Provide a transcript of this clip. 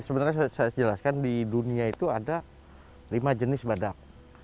sebenarnya saya jelaskan di dunia itu ada lima jenis badak